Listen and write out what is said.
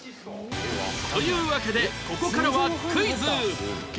というわけでここからはクイズ